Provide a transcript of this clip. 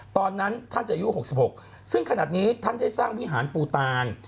ตอนนั้นท่านจะอายุ๖๖ซึ่งขนาดนี้ท่านได้สร้างวิหารปูตาน